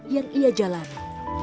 yang ia jalani